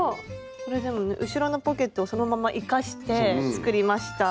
これでもね後ろのポケットをそのまま生かして作りました。